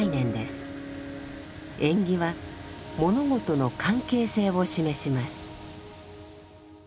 縁起は物事の関係性を示します。